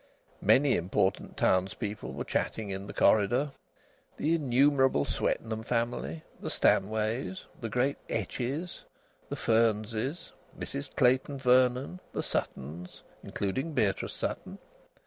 Many important townspeople were chatting in the corridor the innumerable Swetnam family, the Stanways, the great Etches, the Fearnses, Mrs Clayton Vernon, the Suttons, including Beatrice Sutton.